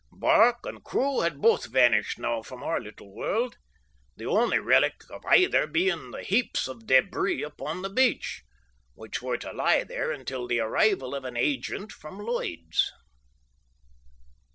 Barque and crew had both vanished now from our little world, the only relic of either being the heaps of débris upon the beach, which were to lie there until the arrival of an agent from Lloyd's.